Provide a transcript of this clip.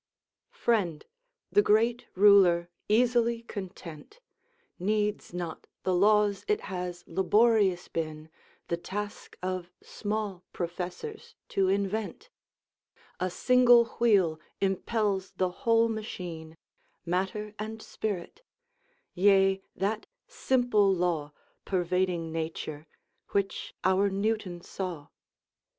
] Friend! the Great Ruler, easily content, Needs not the laws it has laborious been The task of small professors to invent; A single wheel impels the whole machine Matter and spirit; yea, that simple law, Pervading nature, which our Newton saw.